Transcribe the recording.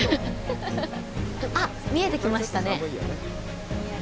あっ、見えてきましたね。